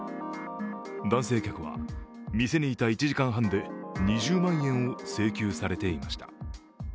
男性客は店にいた１時間半で２０万円を請求されていました。